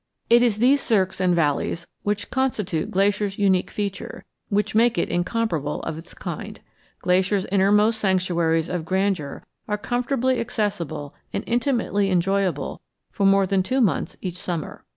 It is these cirques and valleys which constitute Glacier's unique feature, which make it incomparable of its kind. Glacier's innermost sanctuaries of grandeur are comfortably accessible and intimately enjoyable for more than two months each summer.